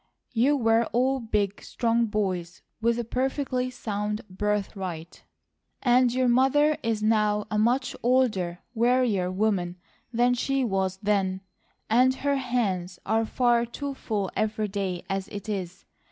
"You were all big, strong boys with a perfectly sound birthright. And your mother is now a much older, wearier woman than she was then, and her hands are far too full every day, as it is.